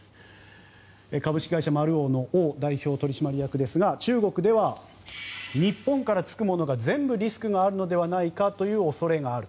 株式会社丸王のオウ代表取締役ですが中国では日本から着くものが全部リスクがあるのではないかという恐れがある。